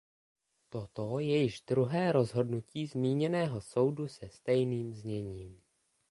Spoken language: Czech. Toto je již druhé rozhodnutí zmíněného soudu se stejným zněním.